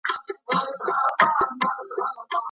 کله موږ په ډاډه زړه ویلی سو چي یو څوک نېکمرغه دی؟